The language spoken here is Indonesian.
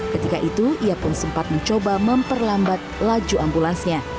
ketika itu ia pun sempat mencoba memperlambat laju ambulansnya